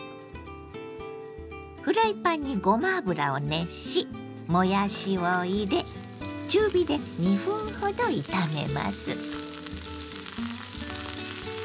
フライパンにごま油を熱しもやしを入れ中火で２分ほど炒めます。